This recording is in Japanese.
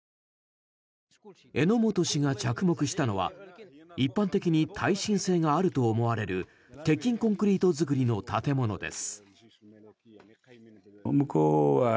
荏本氏が着目したのは一般的に耐震性があると思われる鉄筋コンクリート造りの建物です。